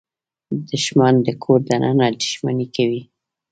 دښمن د کور دننه دښمني کوي